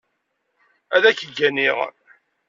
Ad k-gganiɣ.